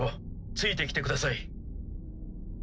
ついてきてください。